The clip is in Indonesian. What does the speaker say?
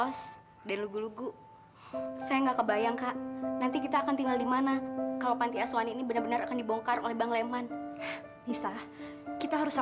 emangnya kambingnya laki laki apa perempuan sih